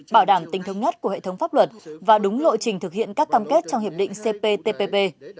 bảo đảm tình thống nhất của hệ thống pháp luật và đúng lộ trình thực hiện các cam kết trong hiệp định cptpp